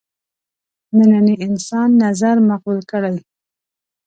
ننني انسان نظر مقبول کړي.